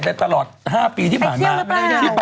ตอนรักนั้นคิดว่าพี่สนุกสนาดมากน่ะ